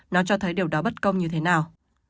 nó cho thấy điều đó bất công như thế nào